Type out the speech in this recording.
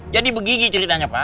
ceritanya sebaliknya pak